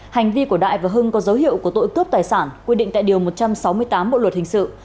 hành vi của đại và hưng có dấu hiệu của tội cướp tài sản quy định tại điều một trăm sáu mươi tám bộ luật hình sự